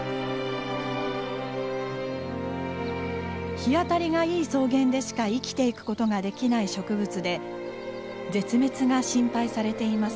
日当たりがいい草原でしか生きていくことができない植物で絶滅が心配されています。